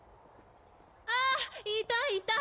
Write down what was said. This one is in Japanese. あいたいた！